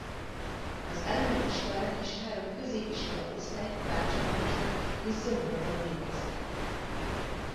Az elemi iskolát és három középiskola osztályt Bácsalmáson és Zomborban végezte.